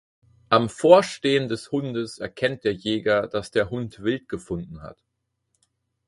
Am Vorstehen des Hundes erkennt der Jäger, dass der Hund Wild gefunden hat.